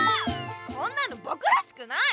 こんなのぼくらしくない！